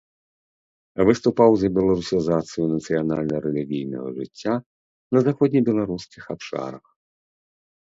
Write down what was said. Выступаў за беларусізацыю нацыянальна-рэлігійнага жыцця на заходнебеларускіх абшарах.